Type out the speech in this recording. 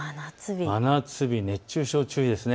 真夏日、熱中症注意です。